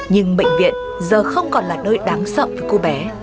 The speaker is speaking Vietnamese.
nhưng bệnh viện giờ không còn là nơi đáng sợ với cô bé